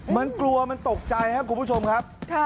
มันกลัวมันตกใจครับคุณผู้ชมครับ